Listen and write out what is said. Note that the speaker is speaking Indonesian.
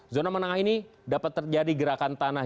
zona menengah ini dapat terjadi gerakan tanah